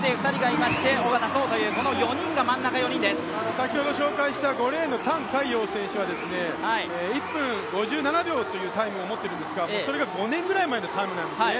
先ほど紹介した５レーンの覃海洋選手は１分５７秒というタイムを持っているんですが、それが５年ぐらい前のタイムなんですね。